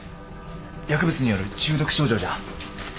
薬物による中毒症状じゃ。